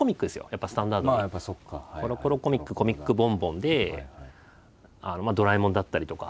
やっぱスタンダードな「コロコロコミック」「コミックボンボン」で「ドラえもん」だったりとか。